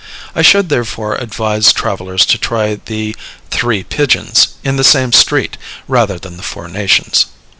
I should therefore advise travellers to try the "Three Pigeons," in the same street, rather than the Four Nations.